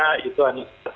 lekas itu hanya setas kaki